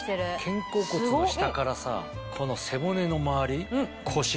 肩甲骨の下からさこの背骨の周り腰。